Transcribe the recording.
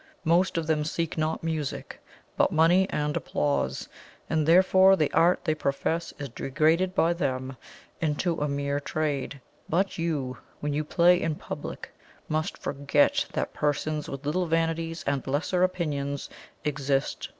Most of them seek not music, but money and applause; and therefore the art they profess is degraded by them into a mere trade. But you, when you play in public, must forget that PERSONS with little vanities and lesser opinions exist.